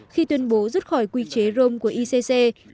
khi tuyên bố rút khỏi quy chế rome của icc